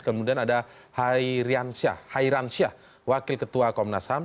kemudian ada hairansyah wakil ketua komnas ham